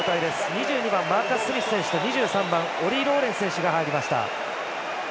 ２２番マーカス・スミス選手と２３番オリー・ローレンス選手が入りました。